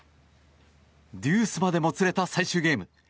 デュースまでもつれた最終ゲーム。